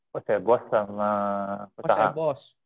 kosebos sama kota hang